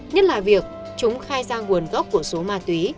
nhất là việc chúng khai ra nguồn gốc của số ma túy